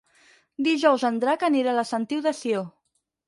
Dijous en Drac anirà a la Sentiu de Sió.